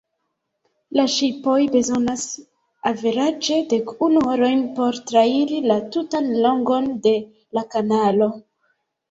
La ŝipoj bezonas averaĝe dekunu horojn por trairi la tutan longon de la kanalo.